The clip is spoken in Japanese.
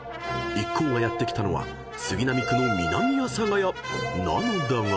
［一行がやって来たのは杉並区の南阿佐ヶ谷なのだが］